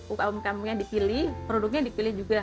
umkm nya dipilih produknya dipilih juga